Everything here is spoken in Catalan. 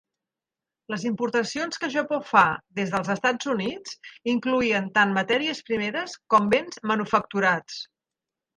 Les importacions que Japó fa des dels Estats Units incloïen tant matèries primeres com bens manufacturats.